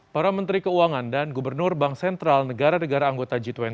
para menteri keuangan dan gubernur bank sentral negara negara anggota g dua puluh